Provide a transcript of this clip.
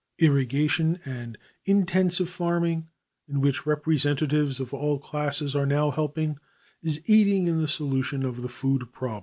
Irrigation and intensive farming, in which representatives of all classes are now helping, is aiding in the solution of the food problem.